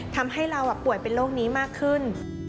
ทำให้เราป่วยเป็นโรคนี้มากขึ้น